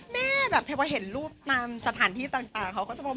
แม่แบบพอเห็นรูปตามสถานที่ต่างเขาก็จะมอง